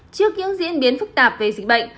trước những diễn biến phức tạp về dịch bệnh